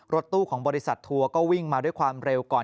รถตู้ของบริษัททัวร์ก็วิ่งมาด้วยความเร็วก่อน